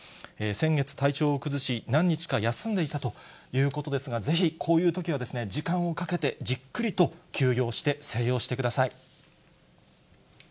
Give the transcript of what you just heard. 先月、体調を崩し、何日か休んでいたということですが、ぜひこういうときは時間をかけて、じっくりと休養して、静養してください。